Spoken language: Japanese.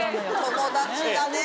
友達だね。